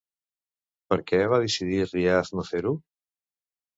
Per què va decidir Riaz no fer-ho?